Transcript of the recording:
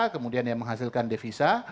kemudian yang menghasilkan devisa